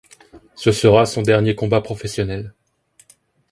Ce sera son dernier combat professionnel.